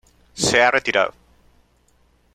Se ha retirado.